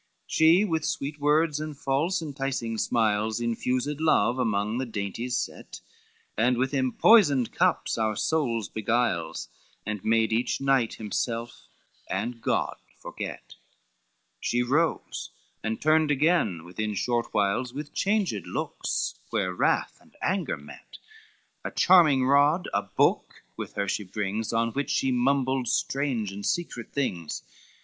LXV "She with sweet words and false enticing smiles, Infused love among the dainties set, And with empoisoned cups our souls beguiles, And made each knight himself and God forget: She rose and turned again within short whiles, With changed looks where wrath and anger met, A charming rod, a book with her she brings, On which she mumbled strange and secret things.